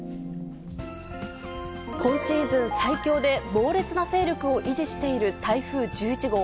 今シーズン最強で猛烈な勢力を維持している台風１１号。